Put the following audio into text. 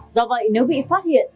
do vậy nếu bị phát hiện